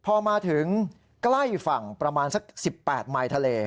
พอมาถึงใกล้ฝั่งประมาณสัก๑๘ไมค์ทะเล